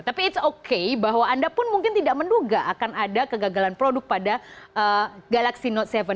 tapi ⁇ its ⁇ okay bahwa anda pun mungkin tidak menduga akan ada kegagalan produk pada galaxy note tujuh